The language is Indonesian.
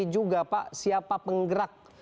juga pak siapa penggerak